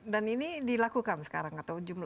dan ini dilakukan sekarang atau